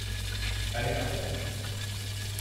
aller à table.